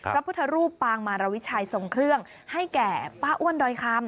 พระพุทธรูปปางมารวิชัยทรงเครื่องให้แก่ป้าอ้วนดอยคำ